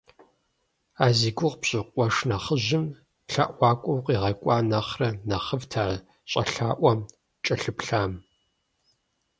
А зи гугъу пщӀы къуэш нэхъыжьым лъэӀуакӀуэ укъигъэкӀуа нэхърэ нэхъыфӀт а щӀэлъаӀуэм кӀэлъыплъам.